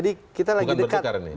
bukan bertukar ini